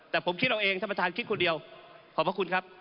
แต่ผมคิดเอาเองท่านประธานคิดคนเดียวขอบพระคุณครับ